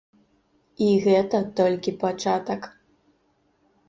І гэта толькі пачатак!